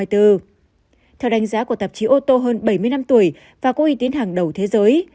theo đánh giá của tạp chí ô tô hơn bảy mươi năm tuổi và có uy tín hàng đầu thế giới